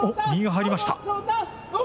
右が入りました。